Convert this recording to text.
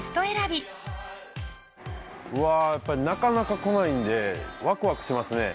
びわやっぱりなかなか来ないんでワクワクしますね。